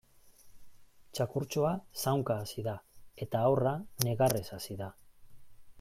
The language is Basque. Txakurtxoa zaunka hasi da eta haurra negarrez hasi da.